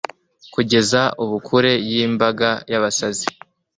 Kugeza ubu kure yimbaga yabasazi